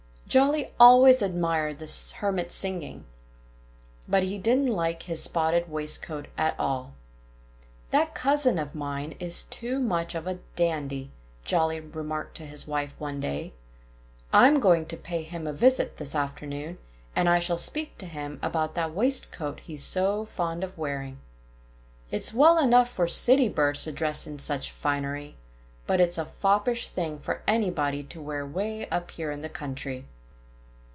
Jolly always admired the Hermit's singing. But he didn't like his spotted waistcoat at all. "That cousin of mine is too much of a dandy," Jolly remarked to his wife one day. "I'm going to pay him a visit this afternoon. And I shall speak to him about that waistcoat he's so fond of wearing. It's well enough for city birds to dress in such finery. But it's a foppish thing for anybody to wear way up here in the country."